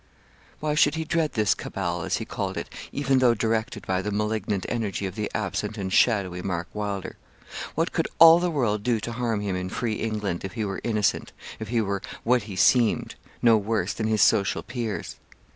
Why should he dread this cabal, as he called it, even though directed by the malignant energy of the absent and shadowy Mark Wylder? What could all the world do to harm him in free England, if he were innocent, if he were what he seemed no worse than his social peers?